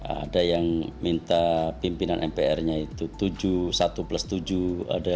ada yang minta pimpinan mpr nya itu dimutuskan untuk berubah kemudian